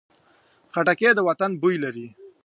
خټکی د وطن بوی لري.